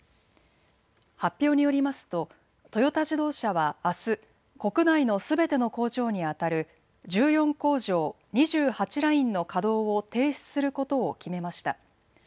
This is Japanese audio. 発表によりますとトヨタ自動車はあす国内のすべての工場にあたる１４工場、２８ラインの稼働を停止することを決めました。